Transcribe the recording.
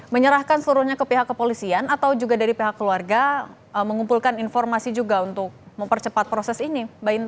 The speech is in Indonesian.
menyerahkan seluruhnya ke pihak kepolisian atau juga dari pihak keluarga mengumpulkan informasi juga untuk mempercepat proses ini